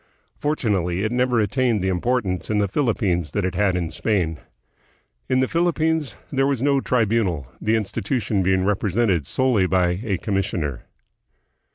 Fortunately, it never attained the importance in the Philippines that it had in Spam. In the Philippines there was no "Tribunal," the institu tion being represented solely by a commissioner.